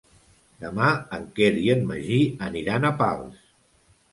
Demà en Quer i en Magí aniran a Pals.